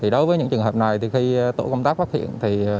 đối với những trường hợp này khi tổ công tác phát hiện